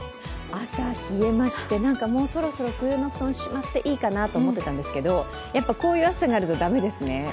朝、冷えまして、もうそろそろ冬の布団をしまっていいかなと思ってたんですけど、やっぱ、こういう朝があると駄目ですね。